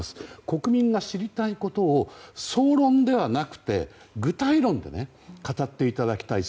国民が知りたいことを総論ではなくて具体論で語っていただきたい。